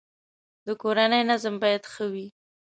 د کورنی نظم باید ښه وی